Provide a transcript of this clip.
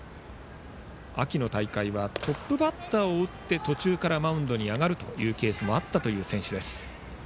秋の大会はトップバッターを打ち途中からマウンドに上がるケースもあったという選手です。